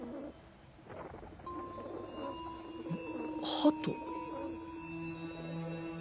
ハト。